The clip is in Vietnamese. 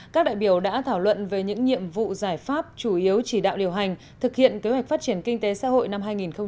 các đại biểu đã thảo luận về những nhiệm vụ giải pháp chủ yếu chỉ đạo điều hành thực hiện kế hoạch phát triển kinh tế xã hội năm hai nghìn hai mươi